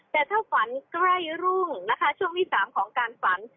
แต่ถ้าเวลาก็ไร่รุ่งช่วงสามของการฝัน